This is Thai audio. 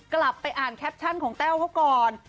กลับไปอ่านแคปชั่นของแต้วเขาก่อน